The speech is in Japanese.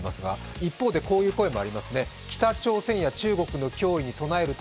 一方で、こういう声もあります。